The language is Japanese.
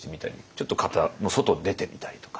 ちょっと型の外出てみたりとか。